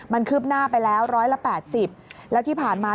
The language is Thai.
มันคืบหน้าไปแล้ว๑๘๐แล้วที่ผ่านมา